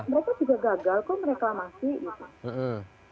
mereka juga gagal kok mereklamasi gitu